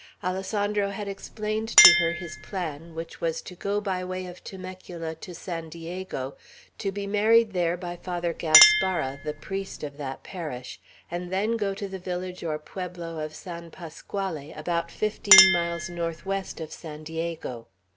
Alessandro had explained to her his plan, which was to go by way of Temecula to San Diego, to be married there by Father Gaspara, the priest of that parish, and then go to the village or pueblo of San Pasquale, about fifteen miles northwest of San Diego.